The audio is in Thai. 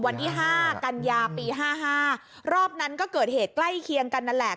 วันที่ห้ากันยาปี๕๕รอบนั้นก็เกิดเหตุใกล้เคียงกันนั่นแหละ